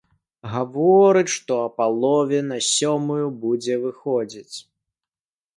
Гавораць, што а палове на сёмую будуць выходзіць.